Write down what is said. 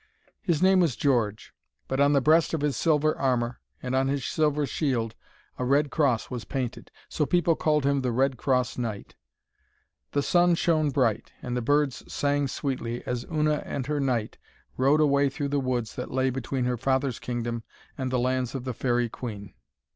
His name was George, but on the breast of his silver armour, and on his silver shield, a red cross was painted. So people called him the Red Cross Knight. The sun shone bright, and the birds sang sweetly, as Una and her knight rode away through the woods that lay between her father's kingdom and the lands of the Faerie Queen.